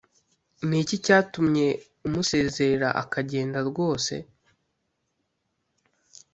ni iki cyatumye umusezerera akagenda rwose?